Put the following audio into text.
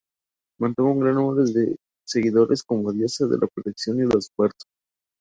Mantuvo un gran número de seguidores como diosa de la protección y los partos.